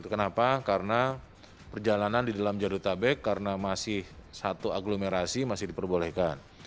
kenapa karena perjalanan di dalam jadutabek karena masih satu agglomerasi masih diperbolehkan